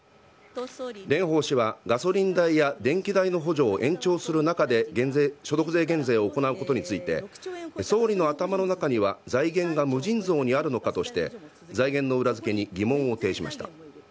蓮舫氏はガソリン代や電気代の補助を延長する中で、所得税減税を行うことについて、総理の頭の中には、財源が無尽蔵にあるのかとして、財源の裏付けに疑問を呈しました。